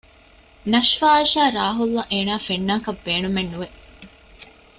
ނަޝްފާ އަށާ ރާހުލްއަށް އޭނާ ފެންނާކަށް ބޭނުމެއް ނުވެ